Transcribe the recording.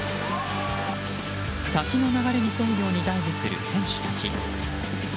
滝の流れに沿うようにダイブする、選手たち。